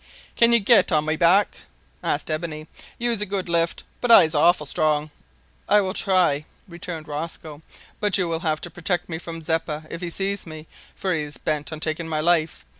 "Kin you git on my back?" asked Ebony. "You's a good lift, but I's awful strong." "I will try," returned Rosco, "but you will have to protect me from Zeppa if he sees me, for he is bent on taking my life.